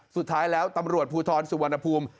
สุดท้ายแล้วตำรวจภูทรสุวรรณภูมิ